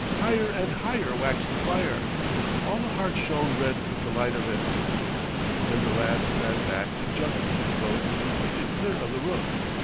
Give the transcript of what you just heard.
Higher and higher waxed the fire. All the heart shone red with the light of it. Then the lad ran back and jumped into the boat and pushed it clear of the roof.